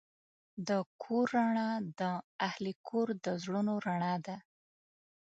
د کور رڼا د اهلِ کور د زړونو رڼا ده.